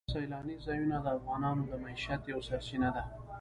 سیلاني ځایونه د افغانانو د معیشت یوه سرچینه ده.